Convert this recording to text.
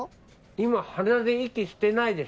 今鼻で息してないでしょ。